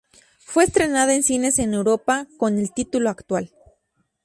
Fue estrenada en cines en Europa con el título actual.